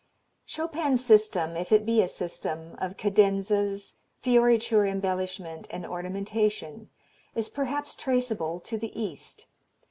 Chopin's system if it be a system of cadenzas, fioriture embellishment and ornamentation is perhaps traceable to the East.